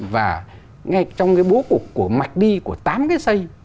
và ngay trong cái bố cục của mạch đi của tám cái xây